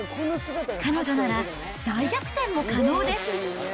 彼女なら大逆転も可能です。